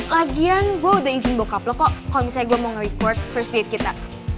lagian gue udah izin bokap lo kok kalau misalnya gue mau nge requart first date kita